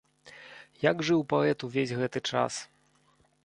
Як жыў паэт увесь гэты час?